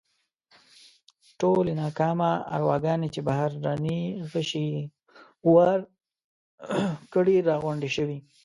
ټولې ناکامه ارواګانې چې بهرني غشي یې وار کړي راغونډې شوې.